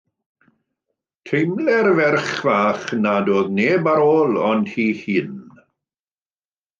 Teimlai'r ferch fach nad oedd neb ar ôl ond hi'i hun.